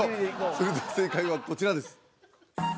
それでは正解はこちらです